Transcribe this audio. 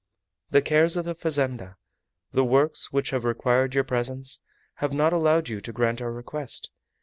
The cares of the fazenda, the works which have required your presence, have not allowed you to grant our request.